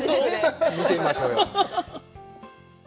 見てみましょうよ。